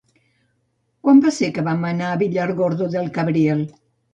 Quan va ser que vam anar a Villargordo del Cabriel?